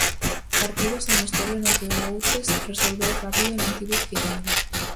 Partido sen historia no que o Outes resolveu rápido e non tivo piedade.